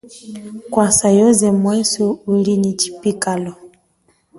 Kwasa yoze mweswe uli nyi yipikalo.